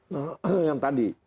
nah yang tadi